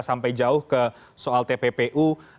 sampai jauh ke soal tppu